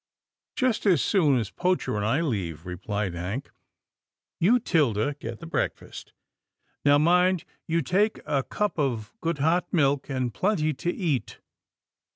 " Just as soon as Poacher and I leave," replied Hank, " you, 'Tilda, get the breakfast. Now mind you take a cup of good hot milk, and plenty to eat.